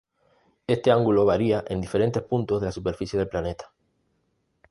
Este ángulo varía en diferentes puntos de la superficie del planeta.